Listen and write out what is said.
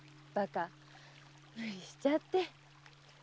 バカ無理しちゃって。